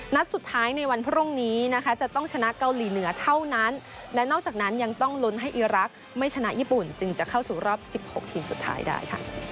นัดสุดท้ายในวันพรุ่งนี้นะคะจะต้องชนะเกาหลีเหนือเท่านั้นและนอกจากนั้นยังต้องลุ้นให้อีรักษ์ไม่ชนะญี่ปุ่นจึงจะเข้าสู่รอบ๑๖ทีมสุดท้ายได้ค่ะ